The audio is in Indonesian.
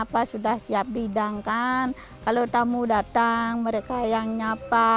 apa sudah siap bidangkan kalau tamu datang mereka yang nyapa